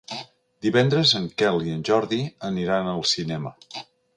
Divendres en Quel i en Jordi aniran al cinema.